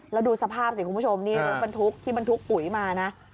แล้วดูสภาพสิคุณผู้ชมนี่รถบรรทุกที่บรรทุกปุ๋ยมานะ